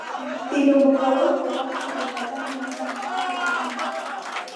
د لوبو کولو په وخت د بدن غړي په حرکت راځي.